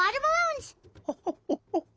ホホホホホ。